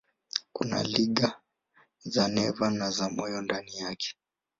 Kuna liga za neva na za moyo ndani yake.